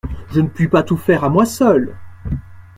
Je ne puis pas tout faire à moi seul.